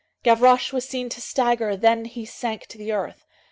Gavroche was seen to stagger, then he sank to the earth.